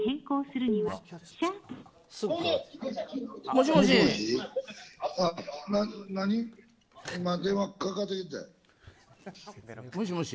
もしもし。